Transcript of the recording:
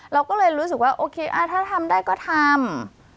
เราก็เลยรู้สึกว่าโอเคถ้าทำได้ก็ทำ